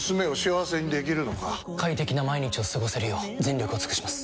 快適な毎日を過ごせるよう全力を尽くします！